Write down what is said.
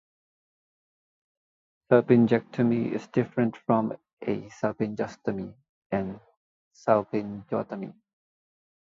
Salpingectomy is different from a salpingostomy and salpingotomy.